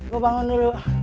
gue bangun dulu